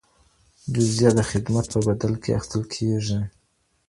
جزيه د خدمت په بدل کي اخيستل کيږي.